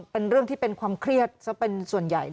เป็นเรื่องที่เป็นความเครียดซะเป็นส่วนใหญ่เลย